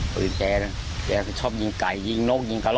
หรือหมาแกแกคือชอบยิงไก่ยิงนกยิงฐาน